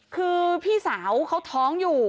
คือพี่สาวเขาท้องอยู่